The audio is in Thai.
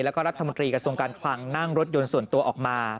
แล้วก็รัฐมนตรีกระทรวงการคลังนั่งรถยนต์ส่วนตัวออกมา